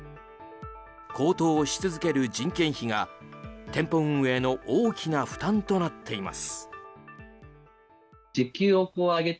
高騰し続ける人件費が店舗運営の大きな負担となっています。